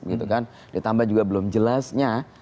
gitu kan ditambah juga belum jelasnya